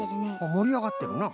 もりあがってるな。